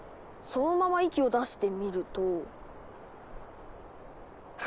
そのまま息を出してみると。